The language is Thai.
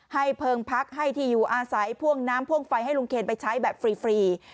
เพิงพักให้ที่อยู่อาศัยพ่วงน้ำพ่วงไฟให้ลุงเคนไปใช้แบบฟรี